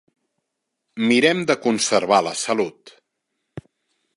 Mirem de conservar la salut.